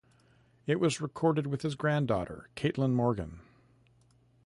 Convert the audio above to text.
It was recorded with his granddaughter, Caitlin Morgan.